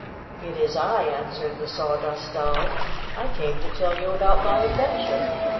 "It is I," answered the Sawdust Doll. "I came to tell you about my adventure."